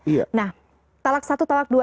iya nah talak satu talak dua